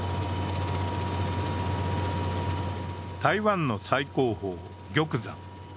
台湾の最高峰・玉山。